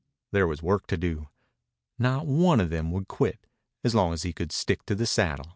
There was work to do. Not one of them would quit as long as he could stick to the saddle.